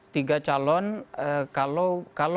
tiga calon kalau misalnya